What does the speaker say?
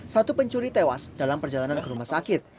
satu pencuri tewas dalam perjalanan ke rumah sakit